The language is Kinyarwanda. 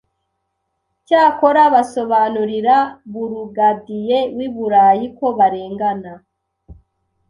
Cyakora basobanurira burugadiye w'i Burayi ko barengana